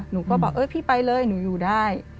หนูก็บอกเออพี่ไปเลยหนูอยู่ได้